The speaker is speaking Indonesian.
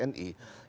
itu bisa diduduki